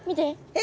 え！？